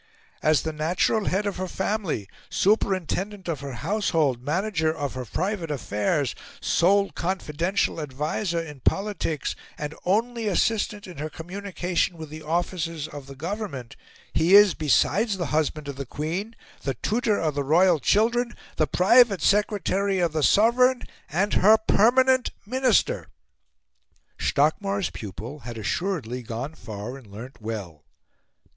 As the natural head of her family, superintendent of her household, manager of her private affairs, sole CONFIDENTIAL adviser in politics, and only assistant in her communications with the officers of the Government, he is, besides, the husband of the Queen, the tutor of the royal children, the private secretary of the Sovereign, and her permanent minister." Stockmar's pupil had assuredly gone far and learnt well.